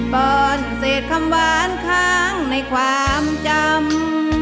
ก่อนเสพคำหวานค้างในความจำ